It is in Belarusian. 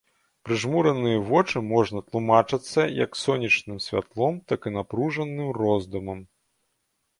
Прыжмураныя вочы можна тлумачацца як сонечным святлом, так і напружаным роздумам.